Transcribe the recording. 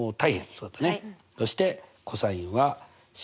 そうだね。